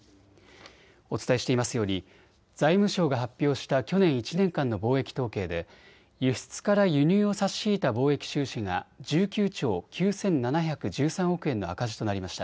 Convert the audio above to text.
お伝えしていますように財務省が発表した去年１年間の貿易統計で輸出から輸入を差し引いた貿易収支が１９兆９７１３億円の赤字となりました。